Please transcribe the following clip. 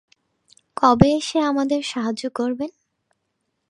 কবে এসে আমাদের সাহায্য করবেন?